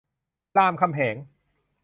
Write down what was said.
รามคำแหง